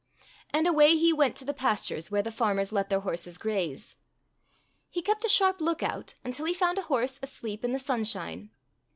And away he went to the pastures where the farmers let their horses graze. He kept a sharp lookout until he found a horse asleep in the sunshine.